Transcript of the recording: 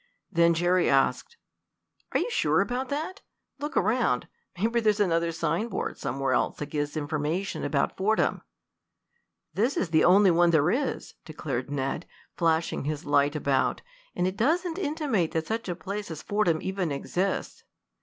Then Jerry asked: "Are you sure about that? Look around. Maybe there's another sign board somewhere else that gives information about Fordham." "This is the only one there is," declared Ned, flashing his light about, "and it doesn't intimate that such a place as Fordham even exists."